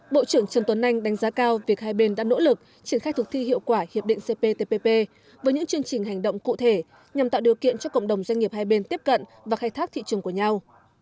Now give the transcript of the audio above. bộ trưởng trần tuấn anh đánh giá cao việc hai bên đã nỗ lực triển khai thực thi hiệu quả hiệp định cptpp với những chương trình hành động cụ thể nhằm tạo điều kiện cho cộng đồng doanh nghiệp hai bên tiếp cận và khai thác thị trường của nhau